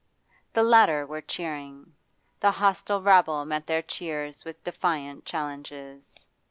The latter were cheering; the hostile rabble met their cheers with defiant challenges.